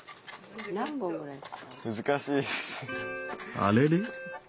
あれれ？